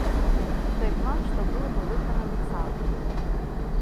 Той план, што быў, мы выканалі цалкам.